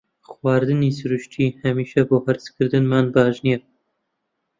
خواردنی سروشتی هەمیشە بۆ هەرسکردنمان باش نییە.